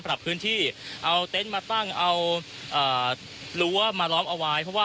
ปรับพื้นที่เอาเต็นต์มาตั้งเอารั้วมาล้อมเอาไว้เพราะว่า